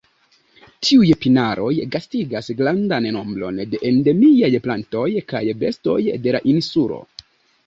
Tiuj pinaroj gastigas grandan nombron de endemiaj plantoj kaj bestoj de la insulo.